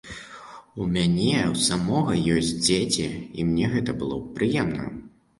У мяне ў самога ёсць дзеці і мне гэта было б прыемна.